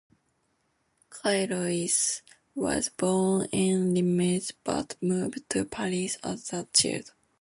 Caillois was born in Reims but moved to Paris as a child.